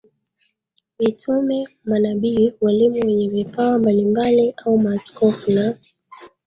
mitume manabii walimu wenye vipawa mbalimbali au maaskofu na